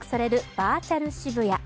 バーチャル渋谷。